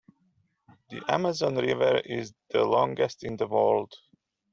The Amazon River is the longest in the world.